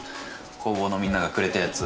工房のみんながくれたやつ？